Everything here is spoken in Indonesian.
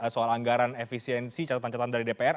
soal anggaran efisiensi catatan catatan dari dpr